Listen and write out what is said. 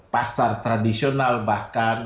pasar tradisional bahkan